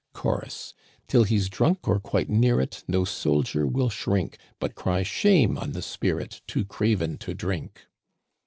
Chorus, Till he's drunk, or quite near it, No soldier will shrink. But cry shame on the spirit Too craven to drink.